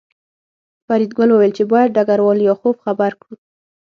فریدګل وویل چې باید ډګروال لیاخوف خبر کړو